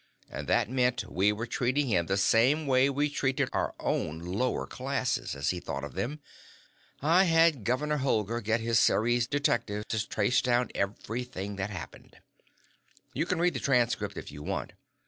And that meant we were treating him the same way we treated our own 'lower classes', as he thought of them. I had Governor Holger get his Ceres detectives to trace down everything that happened. You can read the transcript if you want.